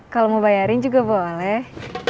kalau mau bayarin juga boleh